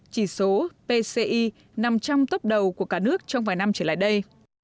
chỉ số pci nằm trong tốp đầu của cả nước trong vài năm trở lại đây